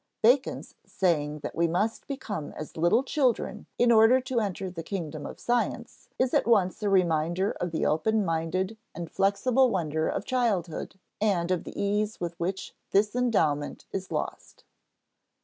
Bacon's saying that we must become as little children in order to enter the kingdom of science is at once a reminder of the open minded and flexible wonder of childhood and of the ease with which this endowment is lost.